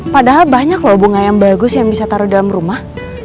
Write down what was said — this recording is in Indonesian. padahal banyak loh bunga yang bagus yang bisa taruh dalam rumah